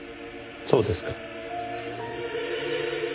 そうですか。